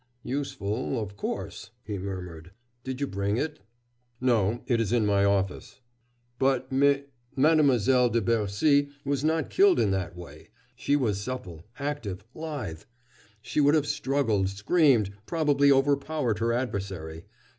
"Useful, of course" he murmured. "Did you bring it?" "No; it is in my office." "But Mi Mademoiselle de Bercy was not killed in that way. She was supple, active, lithe. She would have struggled, screamed, probably overpowered her adversary.